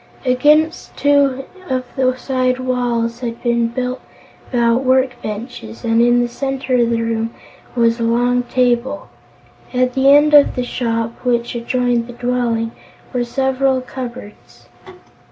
Against two of the side walls had been built stout work benches and in the center of the room was a long table. At the end of the shop, which adjoined the dwelling, were several cupboards.